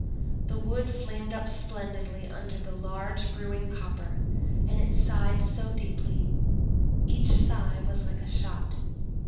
The wood flamed up splendidly under the large brewing copper, and it sighed so deeply! Each sigh was like a shot.